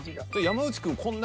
山内くん